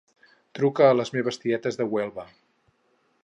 Truca a les meves tietes de Huelva.